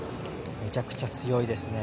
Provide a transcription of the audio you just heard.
めちゃくちゃ強いですね。